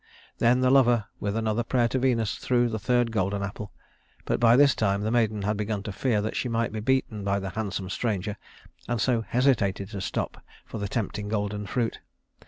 Then the lover, with another prayer to Venus, threw the third golden apple; but by this time the maiden had begun to fear that she might be beaten by the handsome stranger, and so hesitated to stop for the tempting golden fruit.